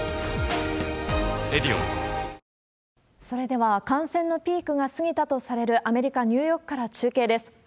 それでは、感染のピークが過ぎたとされるアメリカ・ニューヨークから中継です。